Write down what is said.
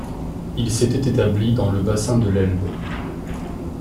Ils s'étaient établis dans le bassin de l'Elbe.